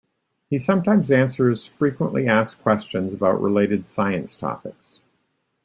He sometimes answers frequently asked questions about related science topics.